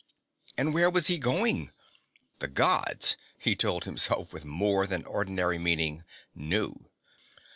And where was he going? The Gods, he told himself with more than ordinary meaning, knew.